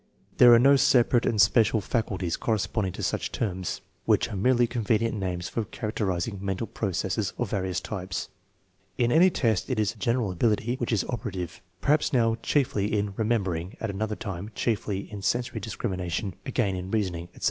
There are no separate and special " faculties " corresponding to such terms, which are merely convenient names for characterizing mental processes of various types. In any test it is " general ability " which is operative, per haps now chiefly in remembering, at another time chiefly in sensory discrimination, again in reasoning, etc.